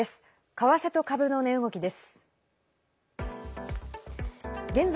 為替と株の値動きです。